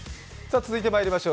続いてまいりましょう。